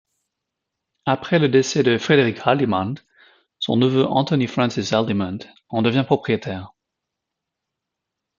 Après le décès de Frederick Haldimand, son neveu Anthony Francis Haldimand en devient propriétaire.